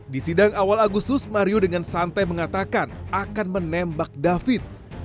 di sidang awal agustus mario dengan santai mengatakan akan menembak david